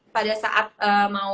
pada saat mau